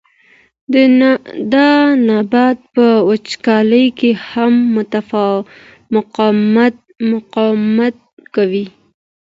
دا نبات په وچکالۍ کې هم مقاومت کوي.